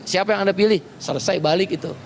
siapa yang anda pilih selesai balik itu